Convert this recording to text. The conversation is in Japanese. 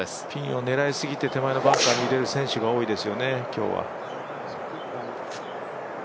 ピンを狙いすぎて手前のバンカーに入れる選手が多いですよね、今日は。